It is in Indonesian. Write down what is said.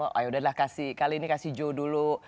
oh yaudahlah kali ini kasih joe dulu